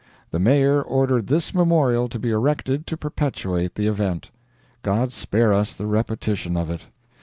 The Mayor ordered this memorial to be erected to perpetuate the event. God spare us the repetition of it!"